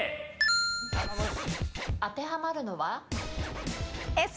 当てはまるのは？